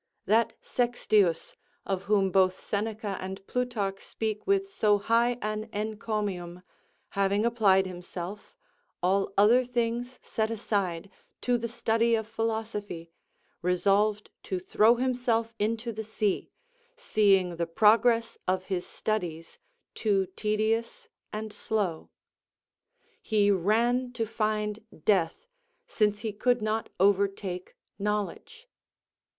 That Sextius, of whom both Seneca and Plutarch speak with so high an encomium, having applied himself, all other things set aside, to the study of philosophy, resolved to throw himself into the sea, seeing the progress of his studies too tedious and slow. He ran to find death, since he could not overtake knowledge.